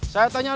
saya tanya dulu